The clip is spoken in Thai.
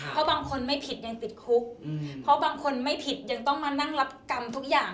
เพราะบางคนไม่ผิดยังติดคุกเพราะบางคนไม่ผิดยังต้องมานั่งรับกรรมทุกอย่าง